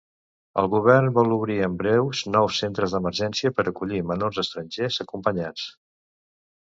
El Govern vol obrir en breu nous centres d'emergència per acollir menors estrangers acompanyats.